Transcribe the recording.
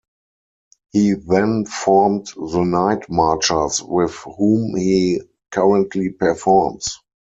He then formed The Night Marchers, with whom he currently performs.